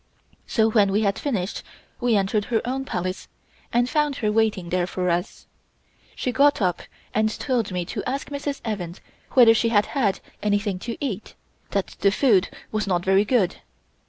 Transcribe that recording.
So when we had finished we entered her own Palace and found her waiting there for us. She got up and told me to ask Mrs. Evans whether she had had anything to eat that the food was not very good.